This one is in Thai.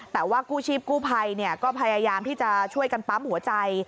แต่ว่ากู้ชีพกู้ภัยก็พยายามที่จะช่วยกันปั๊มหัวใจ